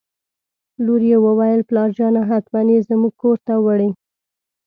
لور یې وویل: پلارجانه حتماً یې زموږ کور ته وړي.